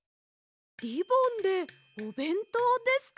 リボンでおべんとうですか？